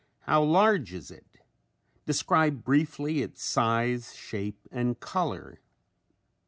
How large is it? Describe briefly its size, shape and color.